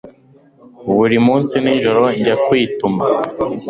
buri munsi nijoro njya kwituma